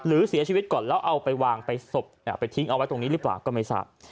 เสียชีวิตก่อนแล้วเอาไปวางไปศพไปทิ้งเอาไว้ตรงนี้หรือเปล่าก็ไม่ทราบ